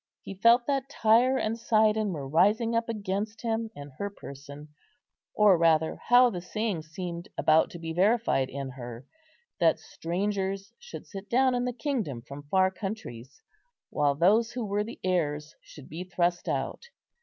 He felt that Tyre and Sidon were rising up against him in her person; or rather how the saying seemed about to be verified in her, that strangers should sit down in the kingdom from far countries, while those who were the heirs should be thrust out.